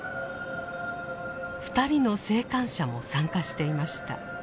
２人の生還者も参加していました。